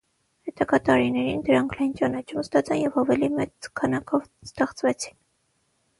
Հետագա տարիներին դրանք լայն ճանաչում ստացան և ավելի մեծ քանակով ստեղծվեցին։